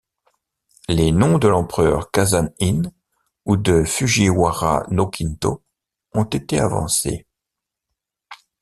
Les noms de l'empereur Kazan-in ou de Fujiwara no Kintō ont été avancés.